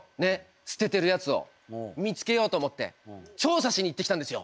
捨ててるやつを見つけようと思って調査しに行ってきたんですよ。